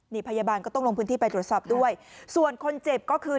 นี่พยาบาลก็ต้องลงพื้นที่ไปตรวจสอบด้วยส่วนคนเจ็บก็คือ